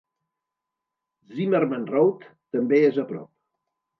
Zimmerman Road també és a prop.